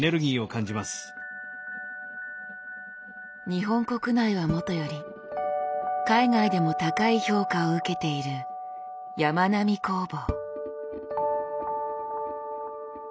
日本国内はもとより海外でも高い評価を受けているやまなみ工房。